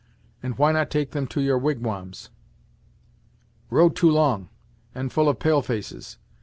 "And why not take them to your wigwams?" "Road too long, and full of pale faces.